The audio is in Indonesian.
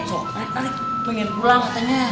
suster pengen pulang katanya